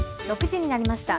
６時になりました。